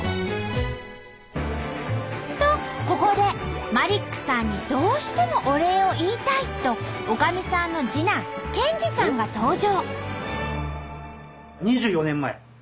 とここでマリックさんにどうしてもお礼を言いたいとおかみさんの次男健二さんが登場！